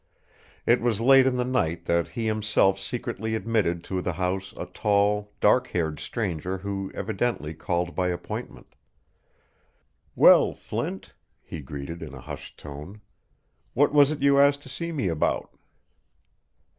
It was late in the night that he himself secretly admitted to the house a tall, dark haired stranger who evidently called by appointment. "Well, Flint," he greeted, in a hushed tone, "what was it you asked to see me about?"